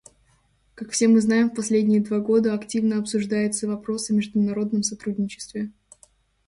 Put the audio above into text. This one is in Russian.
Как все мы знаем, в последние два года активно обсуждается вопрос о международном сотрудничестве.